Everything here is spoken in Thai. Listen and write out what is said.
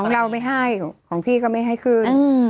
เราไม่ให้ของพี่ก็ไม่ให้ขึ้น